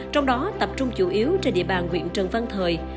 trong đó tập trung chủ yếu trên địa bàn huyện trần văn thời